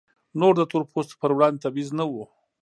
نور د تور پوستو پر وړاندې تبعیض نه و.